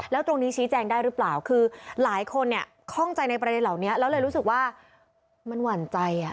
แล้วตรงนี้ชี้แจงได้หรือเปล่าคือหลายคนเนี่ยข้องใจในประเด็นเหล่านี้แล้วเลยรู้สึกว่ามันหวั่นใจ